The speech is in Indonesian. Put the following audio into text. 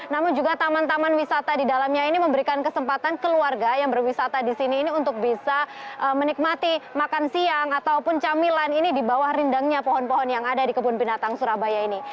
namun juga taman taman wisata di dalamnya ini memberikan kesempatan keluarga yang berwisata di sini ini untuk bisa menikmati makan siang ataupun camilan ini di bawah rindangnya pohon pohon yang ada di kebun binatang surabaya ini